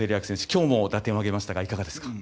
今日も打点を挙げましたがいかがですか？